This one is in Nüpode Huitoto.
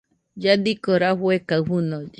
Lladiko rafue kaɨ fɨnolle.